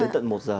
đến tận một giờ